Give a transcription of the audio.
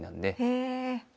へえ。